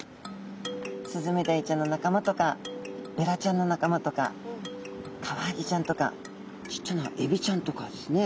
スズメダイちゃんの仲間とかベラちゃんの仲間とかカワハギちゃんとかちっちゃなエビちゃんとかですね。